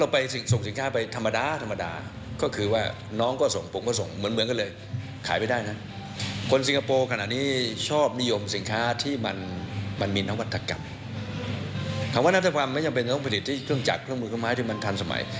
เพราะว่านักศึกภาพมันยังเป็นต้นผลิตที่เครื่องจักรเครื่องมูลค้าไม้ที่มันทันสมัย